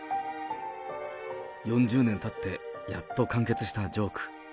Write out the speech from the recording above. ４０年たって、やっと完結したジョーク。